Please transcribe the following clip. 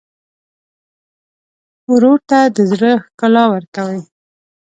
ورور ته د زړه ښکلا ورکوې.